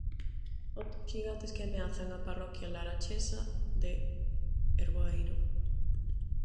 Outros xigantes que ameazan á parroquia larachesa de Erboeiro.